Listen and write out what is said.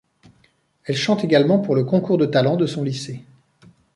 Elle chante également pour le concours de talent de son lycée.